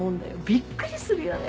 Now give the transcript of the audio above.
びっくりするよね